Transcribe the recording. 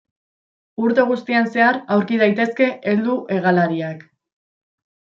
Urte guztian zehar aurki daitezke heldu hegalariak.